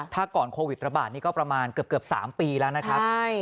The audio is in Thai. ถ้าก่อนโควิดระบาดนี่ก็ประมาณเกือบ๓ปีแล้วนะครับ